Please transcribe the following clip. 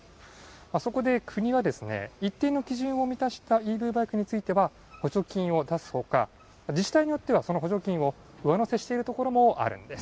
そこで国が、一定の基準を満たしたＥＶバイクについては、補助金を出すとか、自治体によってはその補助金を上乗せしている所もあるんです。